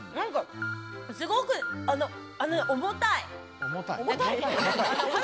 すごく重たい。